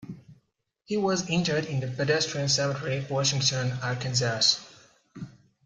He was interred in the Presbyterian Cemetery, Washington, Arkansas.